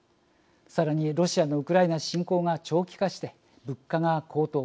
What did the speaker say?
さらにロシアのウクライナ侵攻が長期化して物価が高騰。